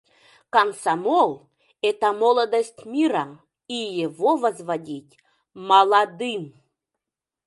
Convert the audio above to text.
Комсомол — это молодость мира, и его возводить — молодым!